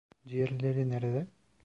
Diğerleri nerede?